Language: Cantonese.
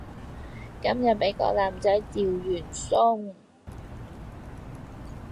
今日俾個男仔趙完鬆